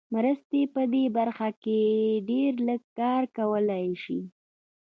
مرستې په دې برخه کې ډېر لږ کار کولای شي.